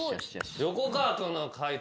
横川君の解答